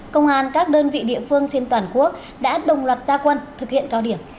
công an các đơn vị địa phương trên toàn quốc đã đồng loạt gia quân thực hiện cao điểm